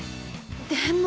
でも。